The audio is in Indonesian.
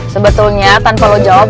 sebetulnya tanpa lo jawab